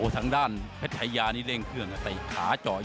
ตรงด้านเพชรไถยานิเร่งเครื่องใส่ขาจ่อยาง